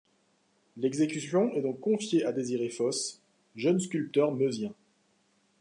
L'exécution est donc confiée à Désiré Fosse, jeune sculpteur meusien.